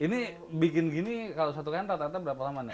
ini bikin gini kalau satu kain rata rata berapa lama nih